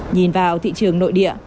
nhìn vào thị trường nội địa